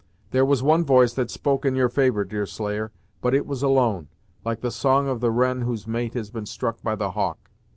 There was one voice that spoke in your favor, Deerslayer, but it was alone, like the song of the wren whose mate has been struck by the hawk."